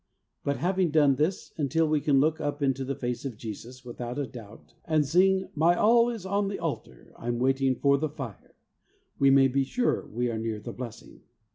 But, having done this, until we can look up into the face of Jesus without a doubt, and sing — My all is on the altar, I'm waiting for the fire — we may be sure we are near the blessing.